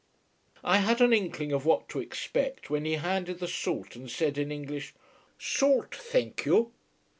I had an inkling of what to expect when he handed the salt and said in English "Salt, thenk you."